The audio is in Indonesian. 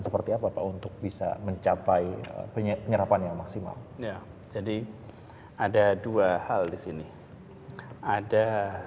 seperti apa pak untuk bisa mencapai penyerapan yang maksimal ya jadi ada dua hal disini ada